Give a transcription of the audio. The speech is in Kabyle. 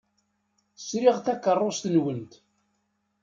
Sriɣ takeṛṛust-nwent.